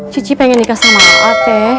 cici pengen nikah sama a'at teh